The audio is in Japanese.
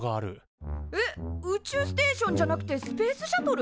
えっ宇宙ステーションじゃなくてスペースシャトル？